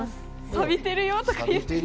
「サビてるよ」とか言って。